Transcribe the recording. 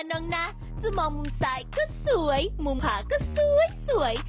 มองมุมซ้ายก็สวยมุมขวาก็สวย